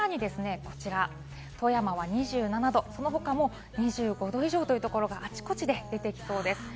さらにこちら、富山は２７度、その他も２５度以上というところがあちこちで出てきそうです。